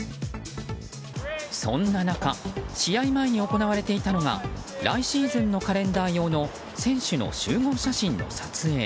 そんな中試合前に行われていたのが来シーズンのカレンダー用の選手の集合写真の撮影。